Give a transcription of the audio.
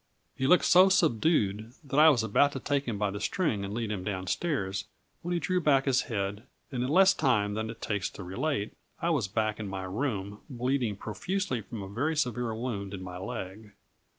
He looked so subdued, that I was about to take him by the string and lead him downstairs, when he drew back his head, and in less time than it takes to relate, I was back in my room, bleeding profusely from a very severe wound in my leg.